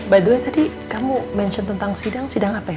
by the way tadi kamu mention tentang sidang sidang apa ya